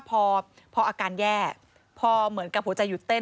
พออาการแย่พอเหมือนกับหัวใจหยุดเต้น